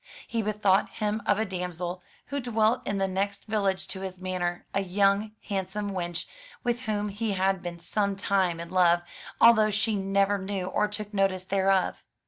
He bethought him of a damsel who dwelt in the next village to his manor, a young handsome wench with whom he had been some time in love, although she never knew or took notice thereof.